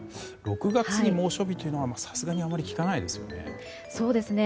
６月に猛暑日というのはさすがに聞かないですよね。